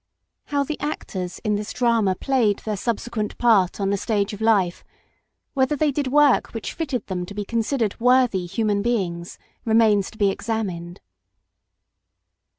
How the actors in this drama played their subsequent part on the stage of life ; whether they did work which fitted them to be considered worthy human beings remains to be examined.